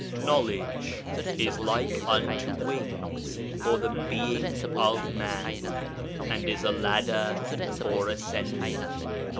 Knowledge is like unto wings for the being of man and is as a ladder for ascending.